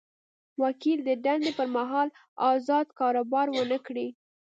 وکیل د دندې پر مهال ازاد کاروبار ونه کړي.